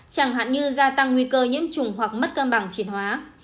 chẳng hạn như gia tăng nguy cơ nhiễm chủng hoặc mất cân bằng triển hóa